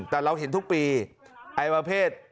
แต่เราเห็นทุกปีไอวเพศ